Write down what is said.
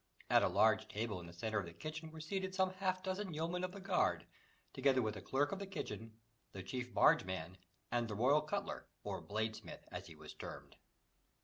At a large table in the centre of the kitchen were seated some half dozen yeomen of the guard, together with the clerk of the kitchen, the chief bargeman, and the royal cutler, or bladesmith, as he was termed.